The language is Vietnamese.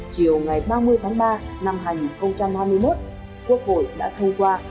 chiều ngày ba mươi tháng ba năm hai nghìn hai mươi một quốc hội đã thông qua